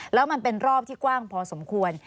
แล้วมันเป็นรอบที่กว้างพอสมควร